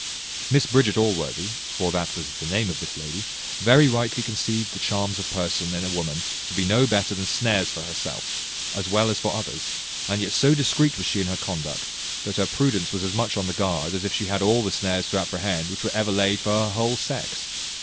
Miss Bridget Allworthy (for that was the name of this lady) very rightly conceived the charms of person in a woman to be no better than snares for herself, as well as for others; and yet so discreet was she in her conduct, that her prudence was as much on the guard as if she had all the snares to apprehend which were ever laid for her whole sex.